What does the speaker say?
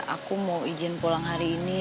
aku mau izin pulang hari ini